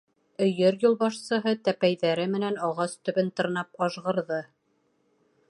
— Өйөр юлбашсыһы тәпәйҙәре менән ағас төбөн тырнап ажғырҙы.